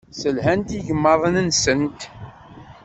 Sselhant igmaḍ-nsent.